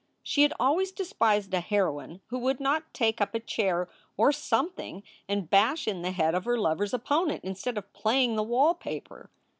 She had always despised a heroine who would not take up a chair or something and bash in the head of her lover s opponent instead of playing the wall paper.